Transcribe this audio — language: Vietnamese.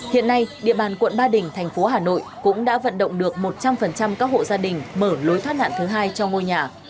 hiện nay địa bàn quận ba đình thành phố hà nội cũng đã vận động được một trăm linh các hộ gia đình mở lối thoát nạn thứ hai cho ngôi nhà